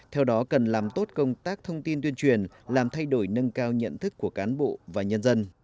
theo đó cần làm tốt công tác thông tin tuyên truyền làm thay đổi nâng cao nhận thức của cán bộ và nhân dân